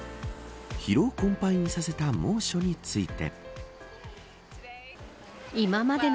疲労困ぱいにさせた猛暑について。